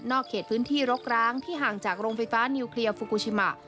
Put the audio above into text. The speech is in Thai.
เขตพื้นที่รกร้างที่ห่างจากโรงไฟฟ้านิวเคลียร์ฟูกูชิมะ